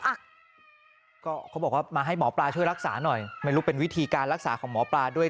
อ่ะก็เขาบอกว่ามาให้หมอปลาช่วยรักษาหน่อยไม่รู้เป็นวิธีการรักษาของหมอปลาด้วย